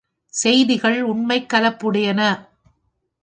செய்திகள், உண்மைக் கலப்புடையன.